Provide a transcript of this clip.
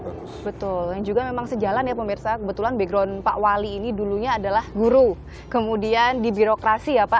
betul yang juga memang sejalan ya pemirsa kebetulan background pak wali ini dulunya adalah guru kemudian di birokrasi ya pak